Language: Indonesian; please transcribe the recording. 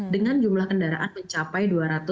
dengan jumlah kendaraan mencapai